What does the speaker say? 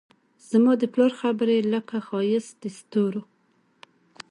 زما د پلار خبرې لکه ښایست دستورو